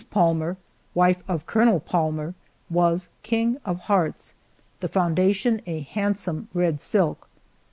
Palmer, wife of Colonel Palmer, was "King of Hearts," the foundation a handsome red silk.